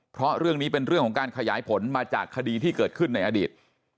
เพราะเรื่องนี้เป็นเรื่องของการขยายผลมาจากคดีที่เกิดขึ้นในอดีต